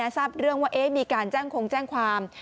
ทราบเรื่องว่ามีการแจ้งคงแจ้งความ